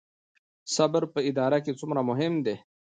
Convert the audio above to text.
صبر په اداره کې څومره مهم دی؟